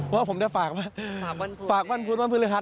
ว่าผมต้องฝากวันฝากวันพุนวันพุนครับ